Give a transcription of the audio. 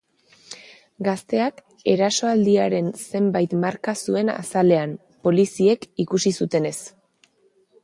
Gazteak erasoaldiaren zenbait marka zuen azalean, poliziek ikusi zutenez.